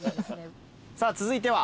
さあ続いては？